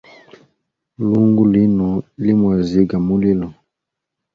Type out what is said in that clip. Lungu lino li mwaziga mulilo.